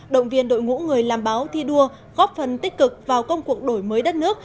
động viên đội ngũ người làm báo thi đua góp phần tích cực vào công cuộc đổi mới đất nước